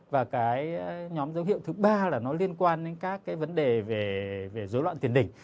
và cái nhóm dấu hiệu thứ ba là nó liên quan đến các cái vấn đề về dối loạn tiền đỉnh